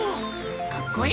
かっこいい！